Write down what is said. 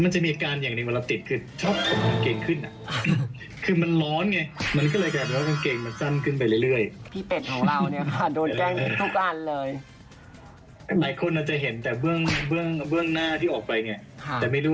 ช้ำน้ำใจขนาดไหน